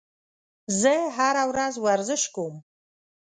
زه هره ورځ ورزش کوم.